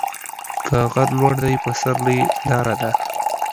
که غر لوړ دى، په سر يې لار ده.